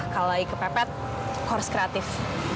kalau lagi kepepet harus kreatif